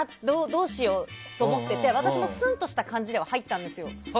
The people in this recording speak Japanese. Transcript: どうしようと思ってて私もスンとした感じでは入ったんですよ。